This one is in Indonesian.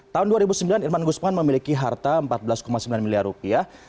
tahun dua ribu sembilan irman gusman memiliki harta empat belas sembilan miliar rupiah